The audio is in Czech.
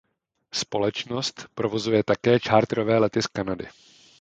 Společnost provozuje také charterové lety z Kanady.